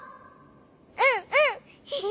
うんうん！